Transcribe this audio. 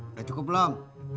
udah cukup belum